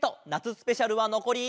スペシャルはのこり。